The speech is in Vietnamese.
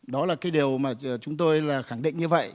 đó là điều mà chúng tôi khẳng định như vậy